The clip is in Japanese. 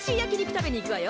食べに行くわよ。